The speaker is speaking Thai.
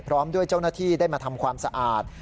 พร้อมด้วยเจ้าหน้าที่ได้มาทำความสะอาด